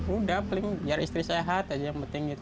udah paling biar istri sehat aja yang penting gitu